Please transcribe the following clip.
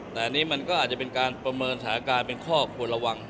แต่อันนี้มันก็อาจจะเป็นการประเมินสถานการณ์เป็นข้อควรระวัง